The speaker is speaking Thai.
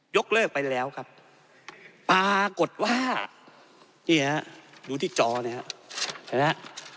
ยกเลิกไปแล้วครับปากฏว่านี่ฮะดูที่จอเนี้ยฮะเห็นหรือฮะ